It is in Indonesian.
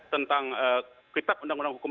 tentang kitab undang undang hukum